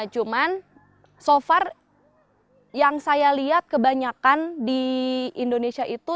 cuman so far yang saya lihat kebanyakan di indonesia itu